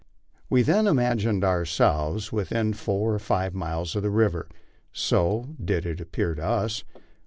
We then imagined ourselves with in four or five miles of the river, so near did it appear to us.